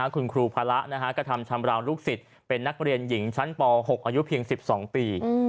คุณครูพระกระทำชำราวลูกศิษย์เป็นนักเรียนหญิงชั้นป๖อายุเพียง๑๒ปี